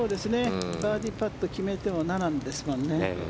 バーディーパットを決めても７ですからね。